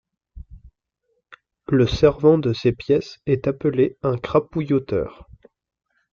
Le servant de ces pièces est appelé un crapouilloteur.